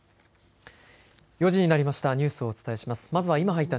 ４時になりました。